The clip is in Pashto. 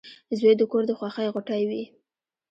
• زوی د کور د خوښۍ غوټۍ وي.